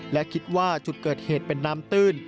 และคิดว่าจุดเกิดเหตุเป็นน้ำตื้น